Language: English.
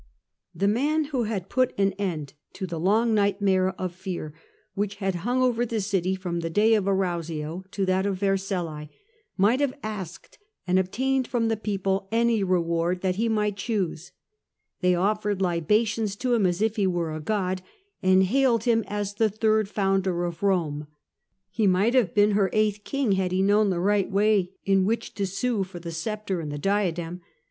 The man who had put an end to the long nightmare of fear which had hung over the city from the day of Arausio to that of Vercellae, might have asked and obtained from the people any reward that he might choose. They offered libations to him, as if he were a god, and hailed him as the third founder of Rome :'' he might have been her eighth king had he known the right way in which to sue for the sceptre and the diadem.